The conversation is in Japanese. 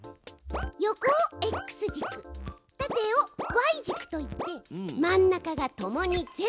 横をＸじく縦をＹじくといって真ん中がともに０。